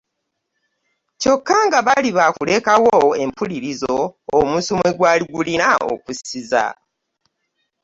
Kyokka nga baali ba kulekawo empulirizo omusu mwe gwali gulina okussiza.